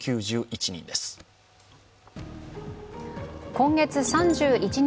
今月３１日